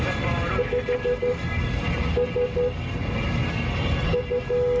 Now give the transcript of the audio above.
เรียบร้อยเรียบร้อย